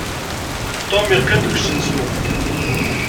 Tum yeqqim deg usensu.